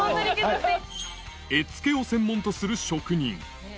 絵付けを専門とする職人。